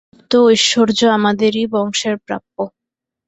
এই গুপ্ত ঐশ্বর্য আমাদেরই বংশের প্রাপ্য।